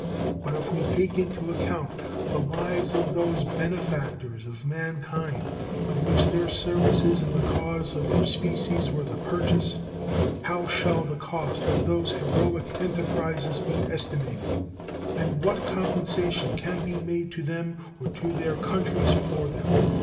But if we take into account the lives of those benefactors of man kind of which their services in the cause of their species were the purchase, how shall the cost of those heroic enterprises be estimated, and what compensation can be made to them or to their countries for them?